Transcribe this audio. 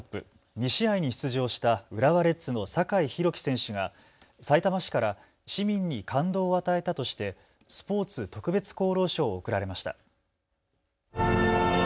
２試合に出場した浦和レッズの酒井宏樹選手がさいたま市から市民に感動を与えたとしてスポーツ特別功労賞を贈られました。